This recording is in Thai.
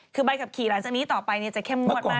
คือใบขับขี่หลังจากนี้ต่อไปจะเข้มงวดมาก